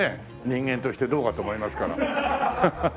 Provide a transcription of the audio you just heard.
人間としてどうかと思いますから。